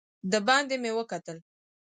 دباندې مې وکتل.